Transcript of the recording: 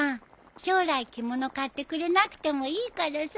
将来着物買ってくれなくてもいいからさ